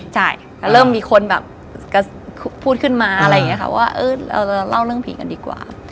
ใช่เริ่มมีคนแบบพูดขึ้นมาว่าเราเล่าเรื่องผีกันดีกว่า